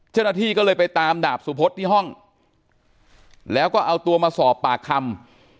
เจ้าหน้าที่ก็เลยไปตามดาบสุพธที่ห้องแล้วก็เอาตัวมาสอบปากคำ